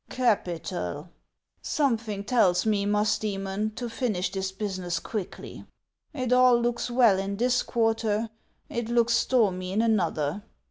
" Capital ! Something tells me, Musdoemon, to finish this business quickly. If all looks well in this quarter, it looks stormy in another.